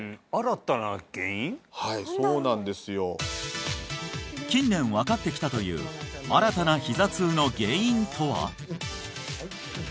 はいそうなんですよ近年分かってきたという新たなひざ痛の原因とは？